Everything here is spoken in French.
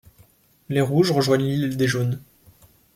Les rouges rejoignent l'île des jaunes.